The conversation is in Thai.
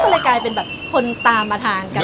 ก็เลยกลายเป็นแบบคนตามมาทานกัน